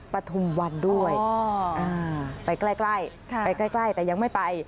ปฑวันด้วยอ้ออ่าเอ่อไปใกล้ค่ะไปใกล้แต่ยังไม่ไป